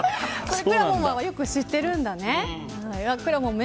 くらもんはよく知ってるんだね。